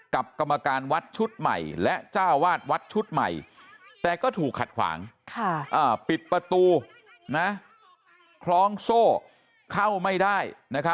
กรรมการวัดชุดใหม่และเจ้าวาดวัดชุดใหม่แต่ก็ถูกขัดขวางปิดประตูคล้องโซ่เข้าไม่ได้